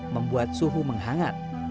membuat suhu menghangat